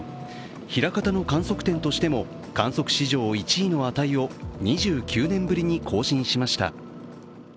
枚方の観測点としても観測史上１位の値を２９年ぶりに更新しました。